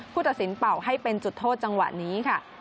ตัดสินเป่าให้เป็นจุดโทษจังหวะนี้ค่ะ